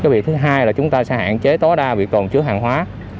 việc thứ hai là chúng ta sẽ hạn chế tối đa việc tồn chứa hàng hóa